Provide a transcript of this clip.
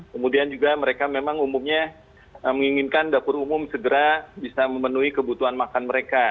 kemudian juga mereka memang umumnya menginginkan dapur umum segera bisa memenuhi kebutuhan makan mereka